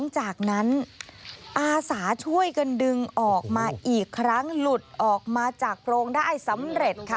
จากนั้นอาสาช่วยกันดึงออกมาอีกครั้งหลุดออกมาจากโพรงได้สำเร็จค่ะ